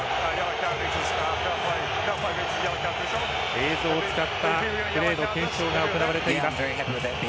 映像を使ったプレーの検証が行われています。